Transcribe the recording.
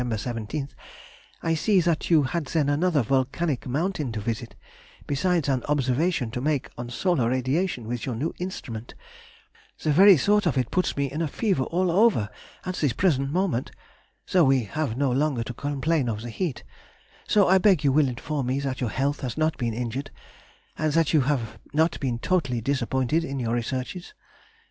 17th, I see that you had then another volcanic mountain to visit, besides an observation to make on solar radiation with your new instrument; the very thought of it puts me in a fever all over—at this present moment, though we have no longer to complain of heat; so I beg you will inform me that your health has not been injured, and that you have not been totally disappointed in your researches.